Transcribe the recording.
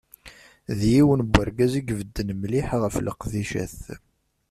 D yiwen n urgaz i ibedden mliḥ ɣef leqdicat.